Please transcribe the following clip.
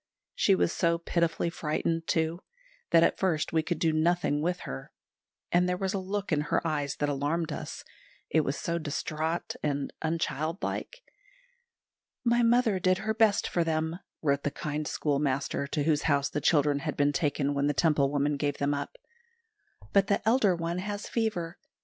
She was so pitifully frightened, too, that at first we could do nothing with her; and there was a look in her eyes that alarmed us, it was so distraught and unchildlike. "My mother did her best for them," wrote the kind schoolmaster to whose house the children had been taken when the Temple woman gave them up; "but the elder one has fever.